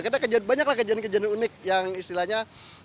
kita banyak lah kejadian kejadian unik yang istilahnya